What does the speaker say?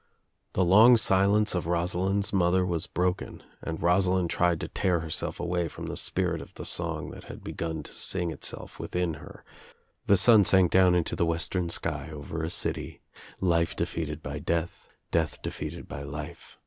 The long silence of Rosalind's mother was broken and Rosalind tried to tear herself away from the spirit of the song that had begun to sing itself within her — OUT OF NOWHERE INTO NOTHING 257 The sun sank down Into the western sky over a city — Life defeated by death, Death defeated by life.